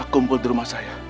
kumpul di rumah saya